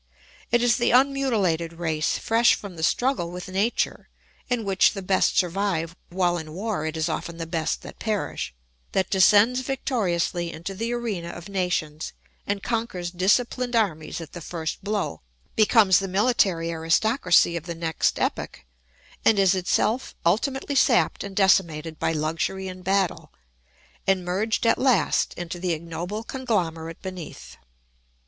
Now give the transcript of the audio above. It is the unmutilated race, fresh from the struggle with nature (in which the best survive, while in war it is often the best that perish) that descends victoriously into the arena of nations and conquers disciplined armies at the first blow, becomes the military aristocracy of the next epoch and is itself ultimately sapped and decimated by luxury and battle, and merged at last into the ignoble conglomerate beneath.